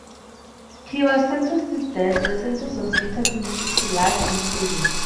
He was sentenced to death; the sentence was later commuted to life in prison.